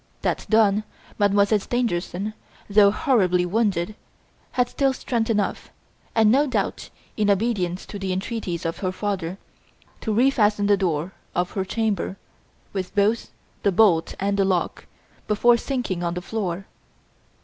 That done, Mademoiselle Stangerson, though horribly wounded, had still strength enough, and no doubt in obedience to the entreaties of her father, to refasten the door of her chamber, with both the bolt and the lock, before sinking on the floor.